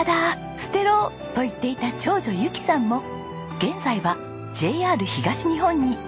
捨てろ！」と言っていた長女友貴さんも現在はＪＲ東日本に勤務しています。